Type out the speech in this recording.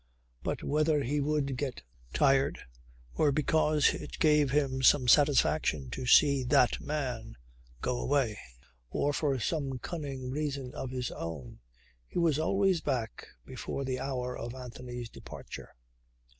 But whether he would get tired or because it gave him some satisfaction to see "that man" go away or for some cunning reason of his own, he was always back before the hour of Anthony's departure.